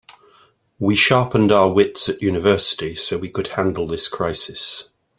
We sharpened our wits at university so we could handle this crisis.